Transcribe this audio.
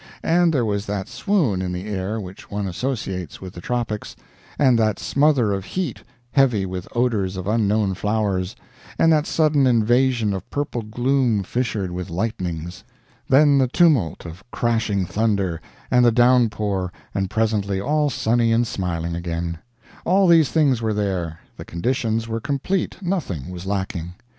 And there was that swoon in the air which one associates with the tropics, and that smother of heat, heavy with odors of unknown flowers, and that sudden invasion of purple gloom fissured with lightnings, then the tumult of crashing thunder and the downpour and presently all sunny and smiling again; all these things were there; the conditions were complete, nothing was lacking.